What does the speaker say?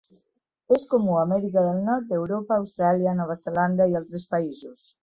És comú a Amèrica del Nord, Europa, Austràlia, Nova Zelanda i altres països.